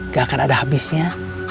gak akan ada habisnya